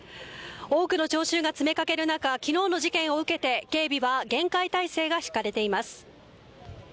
多くの聴衆が詰めかける中昨日の事件を受けて警備は厳戒態勢が敷かれています。